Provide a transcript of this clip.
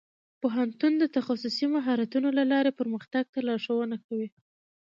پوهنتون د تخصصي مهارتونو له لارې پرمختګ ته لارښوونه کوي.